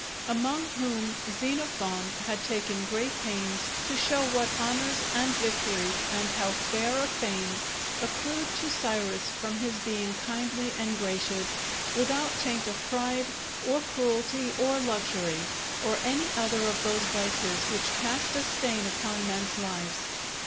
Among whom Xenophon has taken great pains to show what honours, and victories, and how fair a fame accrued to Cyrus from his being kindly and gracious, without taint of pride, or cruelty, or luxury, or any other of those vices which cast a stain upon men's lives.